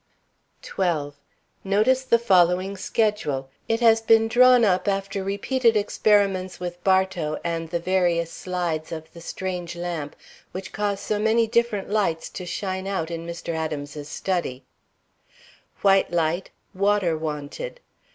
12. Notice the following schedule. It has been drawn up after repeated experiments with Bartow and the various slides of the strange lamp which cause so many different lights to shine out in Mr. Adams's study: White light Water wanted.